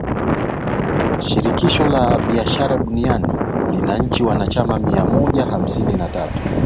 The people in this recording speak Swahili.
Shirikisho la biashara duniani lina nchi wanachama mia moja hamsini na tatu